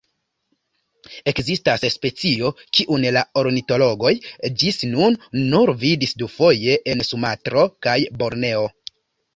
Ekzistas specio, kiun la ornitologoj ĝis nun nur vidis dufoje en Sumatro kaj Borneo.